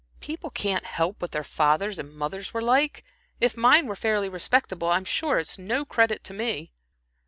People can't help what their fathers and mothers were like. If mine were fairly respectable, I'm sure it's no credit to me."